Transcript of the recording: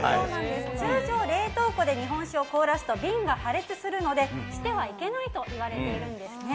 通常、冷凍庫で日本酒を凍らせると瓶が破裂するのでしてはいけないといわれているんですね。